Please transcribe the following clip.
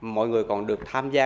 mọi người còn được tham gia